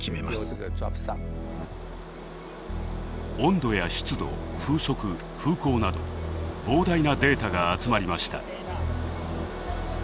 温度や湿度風速風向など膨大なデータが集まりました。